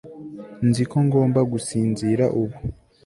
Nzi ko ngomba gusinzira ubu